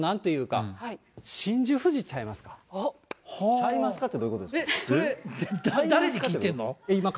ちゃいますかってどういうことですか？